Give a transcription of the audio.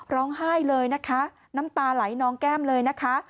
ร้องไห้เลยนะคะน้ำตาไหลนองแก้มเลยนะคะ